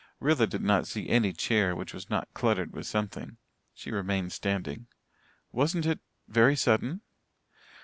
Rilla did not see any chair which was not cluttered with something. She remained standing. "Wasn't it very sudden?"